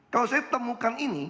kalau saya temukan ini